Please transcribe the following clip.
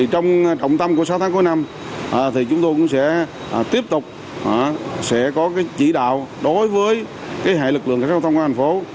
trong trọng tâm của sáu tháng cuối năm chúng tôi cũng sẽ tiếp tục sẽ có chỉ đạo đối với hệ lực lượng cảnh sát giao thông của thành phố